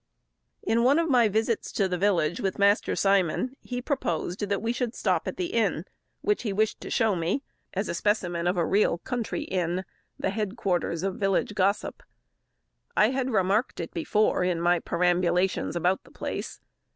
In one of my visits to the village with Master Simon, he proposed that we should stop at the inn, which he wished to show me, as a specimen of a real country inn, the head quarters of village gossip. I had remarked it before, in my perambulations about the place.